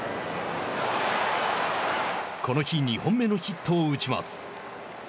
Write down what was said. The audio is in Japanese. この日２本目のヒットを打ちます。